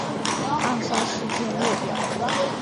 暗杀事件列表